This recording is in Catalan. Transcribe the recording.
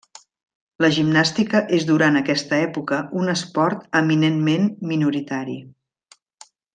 La gimnàstica és durant aquesta època un esport eminentment minoritari.